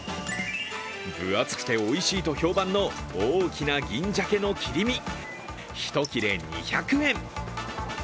分厚くておいしいと評判の大きな銀鮭の切り身１切れ２００円。